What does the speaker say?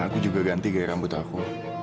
aku juga ganti gaya rambut aku